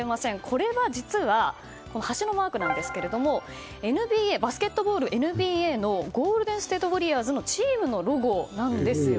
これは実は橋のマークなんですけどバスケットボールＮＢＡのウォリアーズのチームのロゴなんですよ。